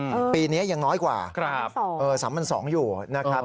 อืมปีเนี้ยยังน้อยกว่าครับสองเออสามพันสองอยู่นะครับ